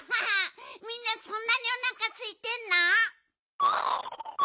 みんなそんなにおなかすいてんの？